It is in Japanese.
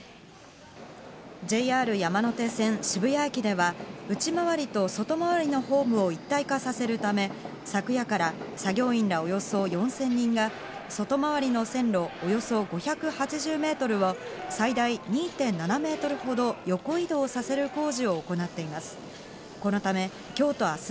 ＪＲ山手線・渋谷駅では、内回りと外回りのホームを一体化させるため昨夜から作業員らおよそ４０００人が外回りの線路およそ５８０ｍを最大２．７メートルほど横移動させる工事を行っています。